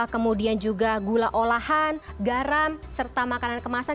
kemudian juga gula olahan garam serta makanan kemasan